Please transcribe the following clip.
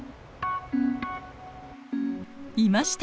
いました！